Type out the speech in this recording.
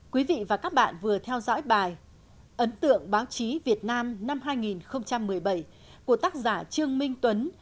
quý vị và các bạn vừa theo dõi bài ấn tượng báo chí việt nam năm hai nghìn một mươi bảy của tác giả trương minh tuấn